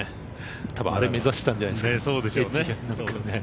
たぶん、あれ目指してたんじゃないですか。